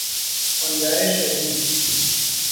تندر شدید